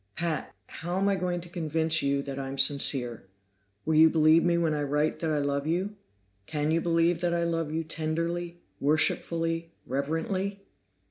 "Pat How am I going to convince you that I'm sincere? Will you believe me when I write that I love you? Can you believe that I love you tenderly, worshipfully reverently?